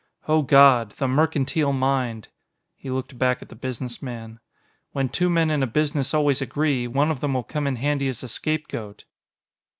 "O God! The Mercantile Mind!" He looked back at the Businessman. "When two men in a business always agree, one of them will come in handy as a scapegoat."